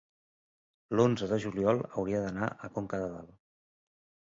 l'onze de juliol hauria d'anar a Conca de Dalt.